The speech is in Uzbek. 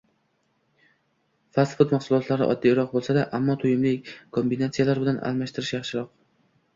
Fast-fud mashulotlarni oddiyroq bo‘lsa-da, ammo to‘yimli kombinatsiyalar bilan almashtirish yaxshiroq